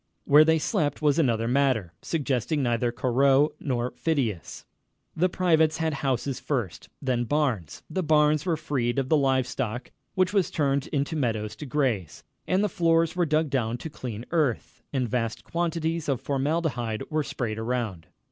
Where they slept was another matter, suggesting neither Corot nor Phidias. The privates had houses first, then barns. The barns were freed of the live stock, which was turned into meadows to graze, and the floors were dug down to clean earth, and vast quantities of formaldehyde were sprayed around.